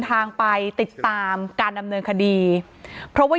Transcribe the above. อ๋อเจ้าสีสุข่าวของสิ้นพอได้ด้วย